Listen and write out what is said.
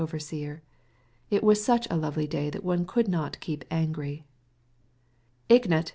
Indeed, it was such a lovely day that one could not be angry. "Ignat!"